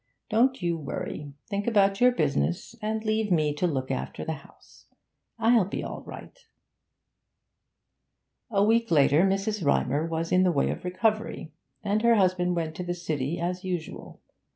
Don't you worry. Think about your business, and leave me to look after the house. It'll be all right.' A week later Mrs. Rymer was in the way of recovery, and her husband went to the City as usual.